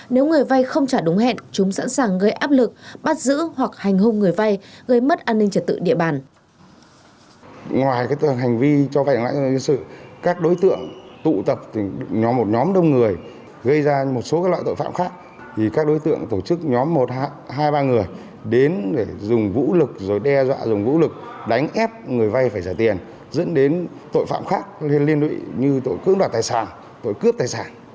nếu người vai không trả đúng hẹn chúng sẵn sàng gây áp lực bắt giữ hoặc hành hung người vai gây mất an ninh trật tự địa bàn